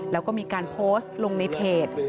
แล้วก็มีการโพสต์ลงในเพจ